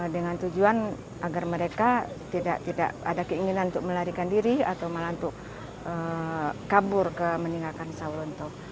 dengan tujuan agar mereka tidak ada keinginan untuk melarikan diri atau malah untuk kabur ke meninggalkan sawonto